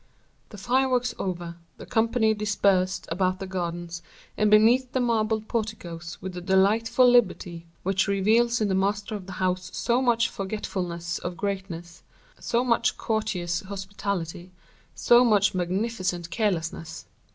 The fireworks over, the company dispersed about the gardens and beneath the marble porticoes with the delightful liberty which reveals in the master of the house so much forgetfulness of greatness, so much courteous hospitality, so much magnificent carelessness.